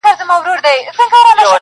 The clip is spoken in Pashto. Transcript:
داسې سپېڅلی وم چې ټولې زمانې غوښتلم